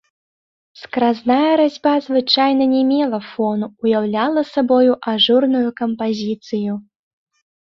Скразная разьба звычайна не мела фону, уяўляла сабою ажурную кампазіцыю.